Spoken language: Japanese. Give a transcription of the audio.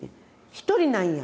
一人なんや。